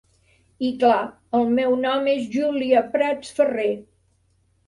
I clar, el meu nom és Júlia Prats Ferrer.